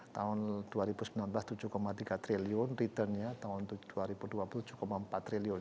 tahun dua ribu sembilan belas tujuh tiga triliun return ya tahun dua ribu dua puluh tujuh empat triliun